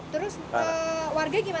terus warga gimana